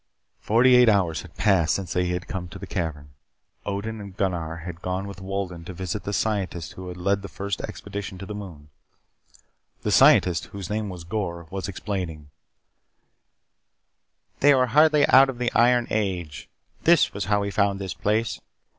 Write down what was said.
Forty eight hours had passed since they came to the cavern. Odin and Gunnar had gone with Wolden to visit the Scientist who had led the first expedition to the moon. The Scientist, whose name was Gor, was explaining: " They were hardly out of the Iron Age. That was how we found this place.